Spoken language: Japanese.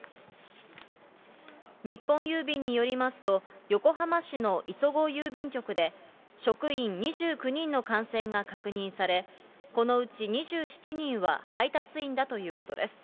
日本郵便によりますと、横浜市の磯子郵便局で職員２９人の感染が確認され、このうち２７人は配達員だということです。